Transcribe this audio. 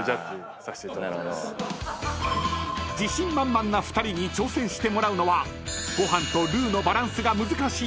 ［自信満々な２人に挑戦してもらうのはご飯とルーのバランスが難しいカレー］